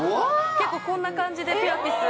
結構こんな感じでピラティス。